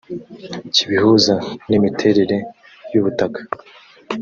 kubihuza n imiterere y ubutaka